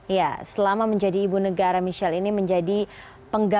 ya selama menjadi ibu negara michelle ini menjadi penggerak